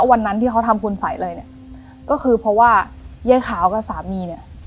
วันนั้นที่เขาทำคุณสัยอะไรเนี่ยก็คือเพราะว่ายายขาวกับสามีเนี่ย